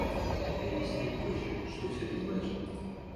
– Ты объясни мне проще: что все это значит?